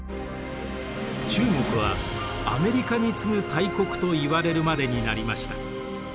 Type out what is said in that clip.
中国はアメリカに次ぐ大国といわれるまでになりました。